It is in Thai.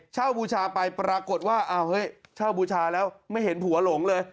เช่าบูชาไปปรากฏว่าเช่าบูชาแล้วไม่เห็นผัวหลงเลย